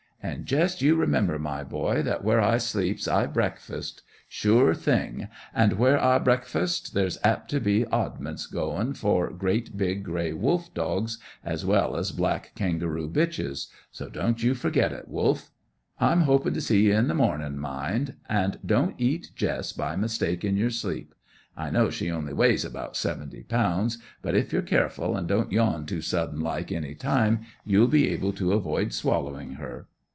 An' jest you remember, my boy, that where I sleeps I breakfast sure thing an' where I breakfasts there's apt to be oddments goin' for great big grey wolf dogs as well as black kangaroo bitches; so don't you forget it, Wolf. I'm hopin' to see you in the mornin', mind; and don't eat Jess by mistake in your sleep. I know she only weighs about seventy pounds, but if you're careful, an' don't yawn too sudden like any time, you'll be able to avoid swallowing her.